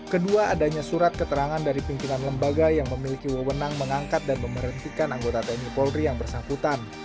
kedua adanya surat keterangan dari pimpinan lembaga yang memiliki wewenang mengangkat dan memerhentikan anggota tni polri yang bersangkutan